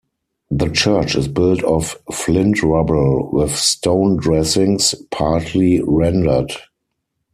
The church is built of flint rubble with stone dressings, partly rendered.